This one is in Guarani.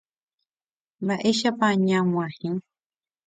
Mba'éicha ñag̃uahẽ.